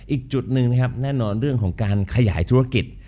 อีกจุดหนึ่งนะครับแน่นอนเรื่องของการขยายธุรกิจ